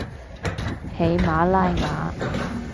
喜马拉雅